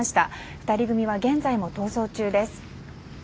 ２人組は現在も逃走中です。